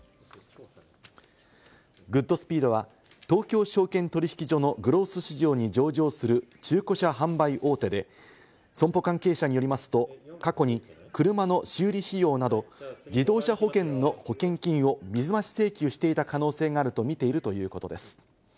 グッドスピードは、東京証券取引所のグロース市場に上場する中古車販売大手で、損保関係者によりますと、過去に車の修理費用など自動車保険の保険金を水増し請求していた可能性があると見ているということです。